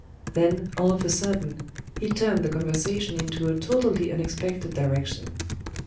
Then, all of a sudden, he turned the conversation into a totally unexpected direction.